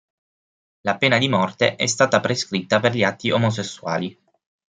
La pena di morte è stata prescritta per gli atti omosessuali.